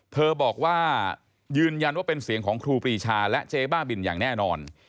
เธอบอกว่ายืนยันว่าเป็นเสียงของครูปรีชาและเจ๊บ้าบินอย่างแน่นอน